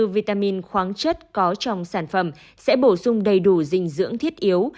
hai mươi bốn vitamin khoáng chất có trong sản phẩm sẽ bổ sung đầy đủ dinh dưỡng thiết yếu